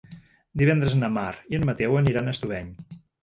Divendres na Mar i en Mateu aniran a Estubeny.